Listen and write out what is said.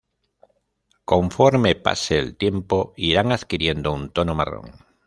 Conforme pase el tiempo irán adquiriendo un tono marrón.